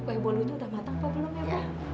kue bolunya udah matang apa belum ya pak